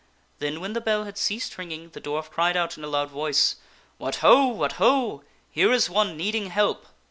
Then when the bell had ceased ringing, the dwarf cried out in a loud voice, " What ho ! what ho ! here is one needing help